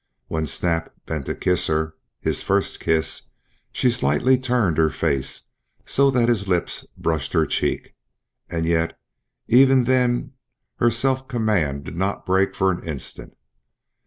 When Snap bent to kiss her his first kiss she slightly turned her face, so that his lips brushed her cheek, yet even then her self command did not break for an instant.